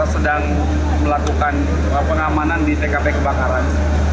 sedang melakukan pengamanan di tkp kebakaran